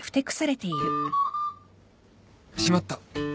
しまった！